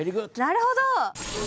なるほど！